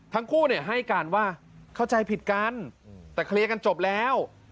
ทั้งคู่ให้การว่าเข้าใจผิดกันแต่เคลียร์กันจบแล้ว